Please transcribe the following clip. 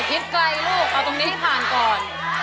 อย่าพิกไกลลูกเอาตรงนี้ผ่านก่อน